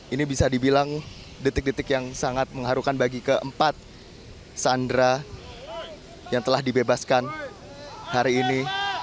ini bisa dibilang detik detik yang sangat mengharukan bagi keempat sandera yang telah dibebaskan hari ini